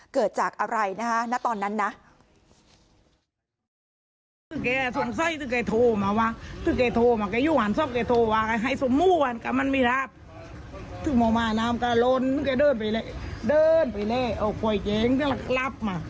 เกิดจากอะไรนะคะณตอนนั้นนะ